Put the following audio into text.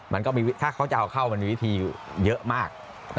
มันก็มีถ้าเขาจะเอาเข้ามันมีวิธีอยู่เยอะมาก